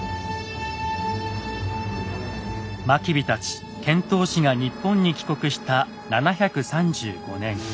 真備たち遣唐使が日本に帰国した７３５年。